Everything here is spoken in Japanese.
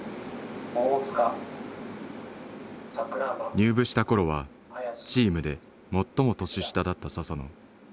入部した頃はチームで最も年下だった佐々野。